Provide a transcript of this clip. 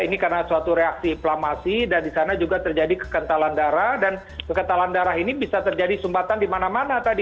ya ini karena suatu reaksi inflamasi dan disana juga terjadi kekentalan darah dan kekentalan darah ini bisa terjadi sumbatan dimana mana tadi